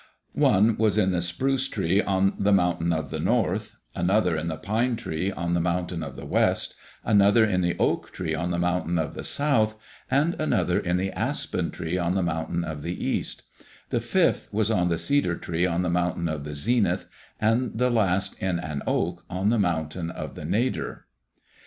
One was in the spruce tree on the Mountain of the North; another in the pine tree on the Mountain of the West; another in the oak tree on the Mountain of the South; and another in the aspen tree on the Mountain of the East; the fifth was on the cedar tree on the Mountain of the Zenith; and the last in an oak on the Mountain of the Nadir.